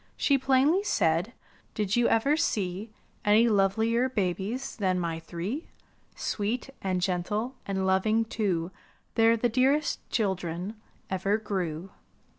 She plainly said, ''Did you ever see Any lovelier babies than my three? Sweet, and gentle, and loving, too, TheyTe the dearest children ever grew!